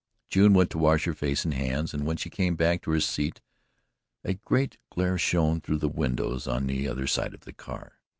June went to wash her face and hands, and when she came back to her seat a great glare shone through the windows on the other side of the car.